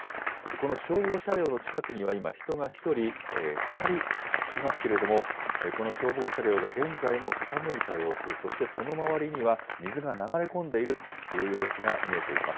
この消防車両の近くには今、人が１人、２人いますけれども、この消防車両が現在も傾いた様子、そしてその周りには水が流れ込んでいるという様子が見えています。